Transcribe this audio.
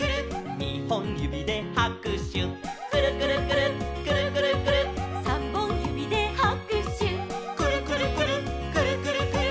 「にほんゆびではくしゅ」「くるくるくるっくるくるくるっ」「さんぼんゆびではくしゅ」「くるくるくるっくるくるくるっ」